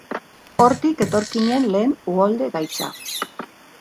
Hortik etorkinen lehen uholde gaitza.